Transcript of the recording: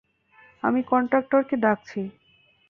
আমি কন্ডাকটরকে ডাকছি!